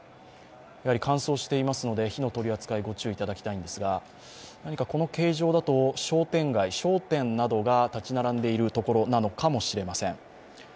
乾燥していますので火の取り扱いご注意いただきたいんですがこの形状だと商店街、商店などが立ち並んでいるところなのかもしれません。